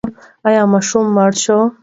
ایا ماشوم مړ شو؟